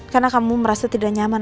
karena kamu merasa tidak nyaman